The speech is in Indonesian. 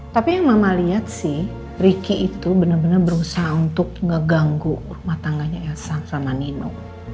tapi yang mama lihat sih ricky itu benar benar berusaha untuk ngeganggu rumah tangganya elsa sama nino